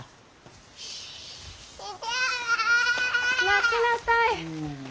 待ちなさい。